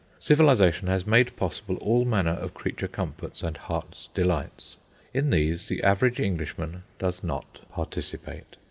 Civilisation has made possible all manner of creature comforts and heart's delights. In these the average Englishman does not participate.